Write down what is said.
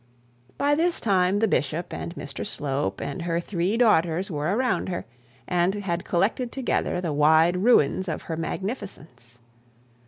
By this time the bishop, and Mr Slope, and her three daughters were around her, and had collected together the wide ruins of her magnificence.